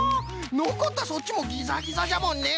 のこったそっちもギザギザじゃもんね。